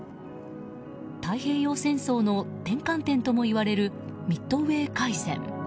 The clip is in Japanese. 太平洋戦争の転換点ともいわれるミッドウェー海戦。